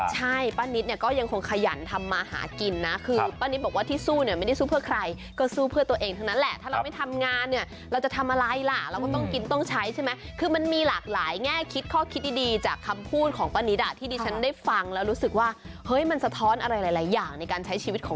ใช่ป้านิตเนี่ยก็ยังคงขยันทำมาหากินนะคือป้านิตบอกว่าที่สู้เนี่ยไม่ได้สู้เพื่อใครก็สู้เพื่อตัวเองทั้งนั้นแหละถ้าเราไม่ทำงานเนี่ยเราจะทำอะไรล่ะเราก็ต้องกินต้องใช้ใช่ไหมคือมันมีหลากหลายแง่คิดข้อคิดดีจากคำพูดของป้านิตอ่ะที่ดิฉันได้ฟังแล้วรู้สึกว่าเฮ้ยมันสะท้อนอะไรหลายอย่างในการใช้ชีวิตค